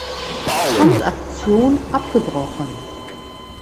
Transaktion abgebrochen.